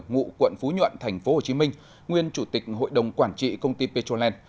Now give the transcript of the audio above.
ngụ quận phú nhuận tp hcm nguyên chủ tịch hội đồng quản trị công ty petroland